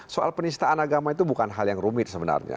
soal penistaan agama itu bukan hal yang rumit sebenarnya